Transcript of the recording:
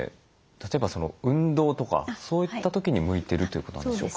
例えば運動とかそういった時に向いてるということなんでしょうか？